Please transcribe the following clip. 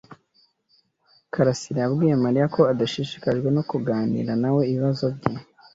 karasira yabwiye Mariya ko adashishikajwe no kuganira nawe ibibazo bye.